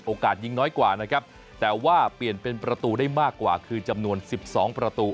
ยิงน้อยกว่านะครับแต่ว่าเปลี่ยนเป็นประตูได้มากกว่าคือจำนวน๑๒ประตู